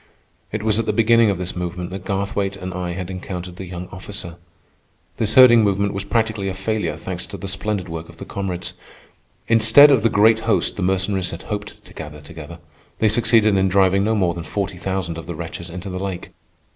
It was at the beginning of this movement that Garthwaite and I had encountered the young officer. This herding movement was practically a failure, thanks to the splendid work of the comrades. Instead of the great host the Mercenaries had hoped to gather together, they succeeded in driving no more than forty thousand of the wretches into the lake.